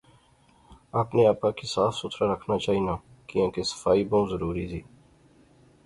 اپنے آپا کی صاف ستھرا رکھنا چاینا کیاں کے صفائی بہوں ضروری زی